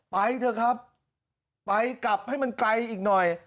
ไปเถอะครับไปกลับให้มันไกลอีกหน่อย